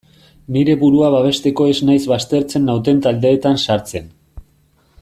Nire burua babesteko ez naiz baztertzen nauten taldeetan sartzen.